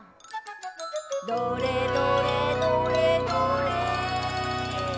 「どれどれどれどれ」